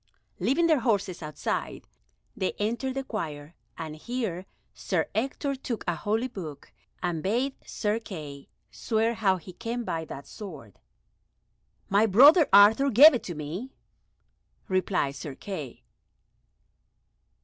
Leaving their horses outside, they entered the choir, and here Sir Ector took a holy book and bade Sir Kay swear how he came by that sword. "My brother Arthur gave it to me," replied Sir Kay.